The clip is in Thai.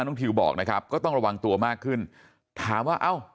ทิวบอกนะครับก็ต้องระวังตัวมากขึ้นถามว่าเอ้า